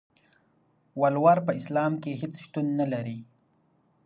ولور په اسلام کې هيڅ شتون نلري.